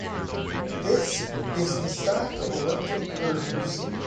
This is the stack of elliptic curves.